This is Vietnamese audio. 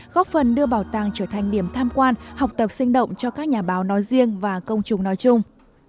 góp phần đưa bảo tàng trở thành điểm tham quan học tập sinh động cho các nhà báo nói riêng và công chúng nói chung